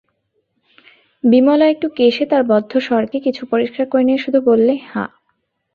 বিমলা একটু কেশে তার বদ্ধ স্বরকে কিছু পরিষ্কার করে নিয়ে শুধু বললে, হাঁ।